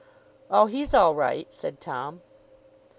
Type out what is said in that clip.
'Oh, he's all right,' said Tom.